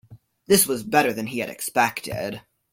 This was better than he had expected.